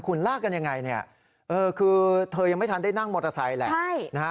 คุณลากกันยังไงเนี่ยเออคือเธอยังไม่ทันได้นั่งมอเตอร์ไซค์แหละ